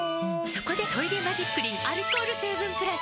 そこで「トイレマジックリン」アルコール成分プラス！